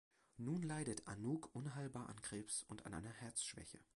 Nun leidet Anouk unheilbar an Krebs und an einer Herzschwäche.